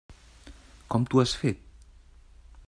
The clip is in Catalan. Com t'ho has fet?